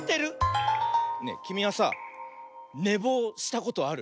ねえきみはさねぼうしたことある？